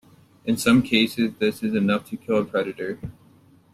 In some cases this is enough to kill a predator.